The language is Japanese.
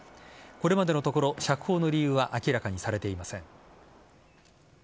これまでのところ釈放の理由は明らかにされていません。